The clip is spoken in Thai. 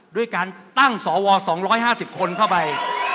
ด้วยการตั้งสว๒๕๐คนเข้าไป